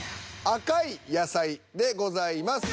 赤い野菜でございます。